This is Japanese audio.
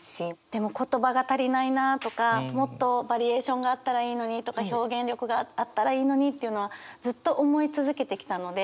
でも言葉が足りないなとかもっとバリエーションがあったらいいのにとか表現力があったらいいのにっていうのはずっと思い続けてきたので。